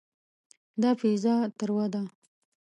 دا پیزا تروه ده.